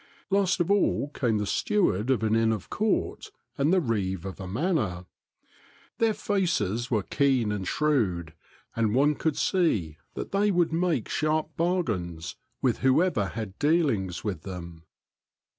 Last of all came the steward of an Inn of Court, and the reeve of a manor. Their faces were keen and shrewd, and one could see that they would make sharp bargains with whoever had dealings with them.